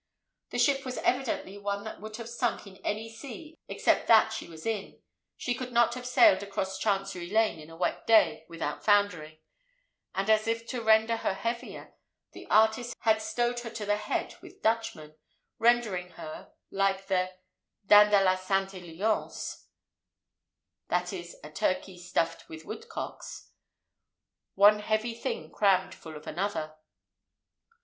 The ship was evidently one that would have sunk in any sea except that she was in: she could not have sailed across Chancery Lane in a wet day without foundering; and, as if to render her heavier, the artist had stowed her to the head with Dutchmen, rendering her, like the dinde à la Sainte Alliance (viz. a turkey stuffed with woodcocks), one heavy thing crammed full of another.